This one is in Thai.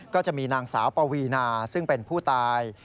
ก็จะมีนางสาวปวีนาซึ่งเป็นผู้ตาย